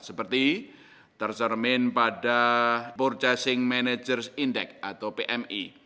seperti tercermin pada purchasing managers index atau pmi